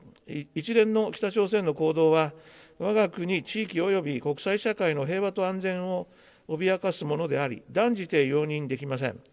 一連の北朝鮮の行動は、わが国地域及び国際社会の平和と安全を脅かすものであり、断じて容認できません。